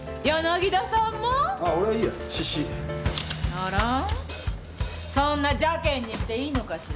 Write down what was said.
あらそんな邪険にしていいのかしら？